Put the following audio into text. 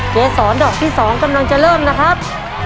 เกษรดอกที่๒กำลังจะเริ่มนะครับ